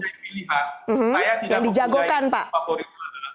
saya tidak memiliki pilihan saya tidak memiliki tim favorit